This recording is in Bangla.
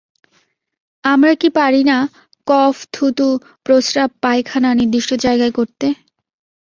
আমরা কি পারি না কফ থুতু, প্রস্রাব পায়খানা নির্দিষ্ট জায়গায় করতে?